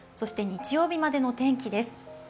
日曜日までの天気です。